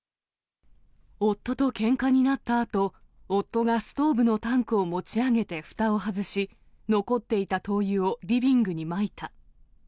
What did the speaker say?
夫とけんかになったあと、夫がストーブのタンクを持ち上げてふたを外し、残っていた灯油をリビングにまいた。